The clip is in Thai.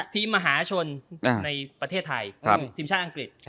มหาชนในประเทศไทยทีมชาติอังกฤษ